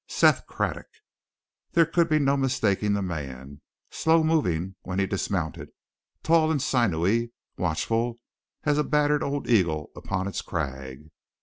Seth Craddock! There could be no mistaking the man, slow moving when he dismounted, tall and sinewy, watchful as a battered old eagle upon its crag.